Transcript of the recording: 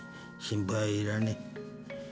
心配いらねえ